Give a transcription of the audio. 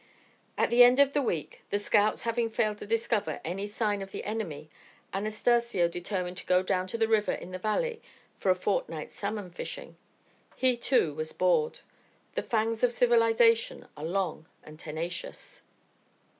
At the end of the week the scouts having failed to discover any sign of the enemy, Anastacio determined to go down to the river in the valley for a fortnight's salmon fishing. He, too, was bored. The fangs of civilisation are long and tenacious.